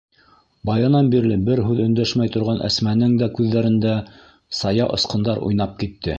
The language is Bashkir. Баянан бирле бер һүҙ өндәшмәй торған Әсмәнең дә күҙҙәрендә сая осҡондар уйнап китте.